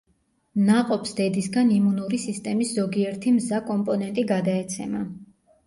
ნაყოფს დედისაგან იმუნური სისტემის ზოგიერთი მზა კომპონენტი გადაეცემა.